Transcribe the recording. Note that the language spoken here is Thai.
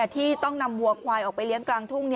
ที่ต้องนำวัวควายออกไปเลี้ยงกลางทุ่ง